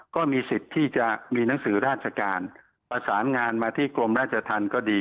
ก็มีสิทธิ์ที่จะมีหนังสือราชการประสานงานมาที่กรมราชธรรมก็ดี